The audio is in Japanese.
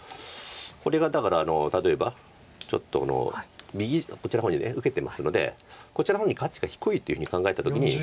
これがだから例えばちょっとこっちの方に受けてますのでこちらの方価値が低いというふうに考えた時に。